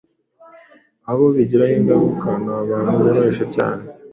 abo bigiraho ingaruka n’abantu boroheje cyane